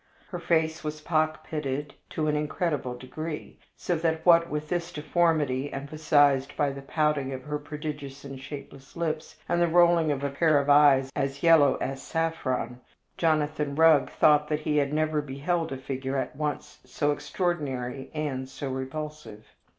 Her face was pock pitted to an incredible degree, so that what with this deformity, emphasized by the pouting of her prodigious and shapeless lips, and the rolling of a pair of eyes as yellow as saffron, Jonathan Rugg thought that he had never beheld a figure at once so extraordinary and so repulsive.